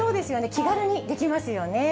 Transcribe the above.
気軽にできますよね。